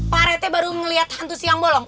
pak rete baru melihat hantu siang bolong